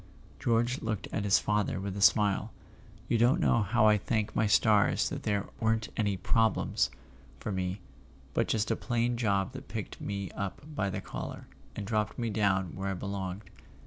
George looked at his father with a smile. "You don't know how I thank my stars that there weren't any 'problems' for me, but just a plain job that picked me up by the collar, and dropped me down where I belonged."